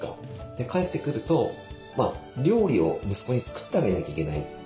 で帰ってくると料理を息子に作ってあげなきゃいけない。